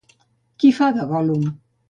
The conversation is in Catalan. Qui fa de Gòl·lum?